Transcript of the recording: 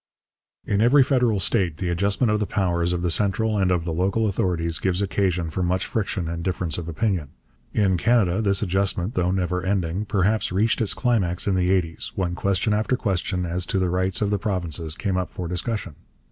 In every federal state the adjustment of the powers of the central and of the local authorities gives occasion for much friction and difference of opinion. In Canada this adjustment, though never ending, perhaps reached its climax in the eighties, when question after question as to the rights of the provinces came up for discussion.